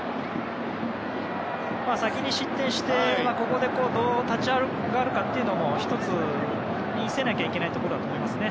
先に失点してここでどう立ち上がるかも１つ、見せないといけないところだと思います。